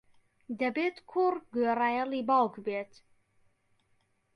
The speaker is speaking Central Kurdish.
دەبێت کوڕ گوێڕایەڵی باوک بێت.